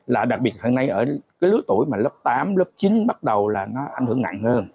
là đặc biệt hôm nay ở lứa tuổi lớp tám lớp chín bắt đầu là nó ảnh hưởng nặng hơn